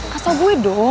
kasau gue dong